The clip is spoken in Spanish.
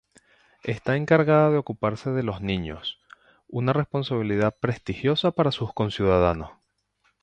Está encargada de ocuparse de de los niños, una responsabilidad prestigiosa para sus conciudadanos.